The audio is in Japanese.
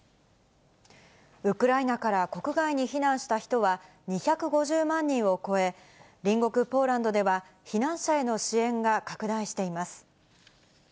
ウクライナから国外に避難した人は２５０万人を超え、隣国ポーランドでは、避難者への支援が拡大しています。